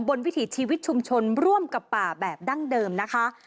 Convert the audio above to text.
วิถีชีวิตชุมชนร่วมกับป่าแบบดั้งเดิมนะคะ